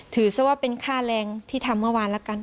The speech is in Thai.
ถือซะว่าเป็นค่าแรงที่ทำเมื่อวานแล้วกัน